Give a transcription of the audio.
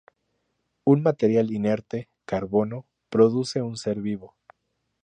Un material inerte —carbono— produce un ser vivo.